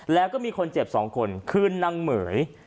แล้วก็มีคนเจ็บ๒คนคือนางเหม๋ย